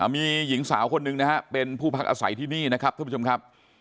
มีหญิงสาวคนหนึ่งนะฮะเป็นผู้พักอาศัยที่นี่นะครับท่านผู้ชมครับ